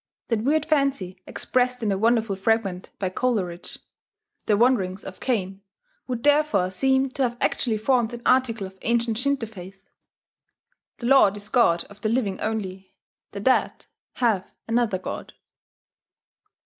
... That weird fancy expressed in the wonderful fragment by Coleridge, "The Wanderings of Cain," would therefore seem to have actually formed an article of ancient Shinto faith: "The Lord is God of the living only: the dead have another God."